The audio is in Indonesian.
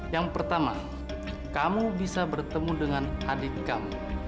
yang pertama kamu bisa bertemu dengan adik kamu